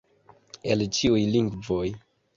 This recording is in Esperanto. El ĉiuj lingvoj!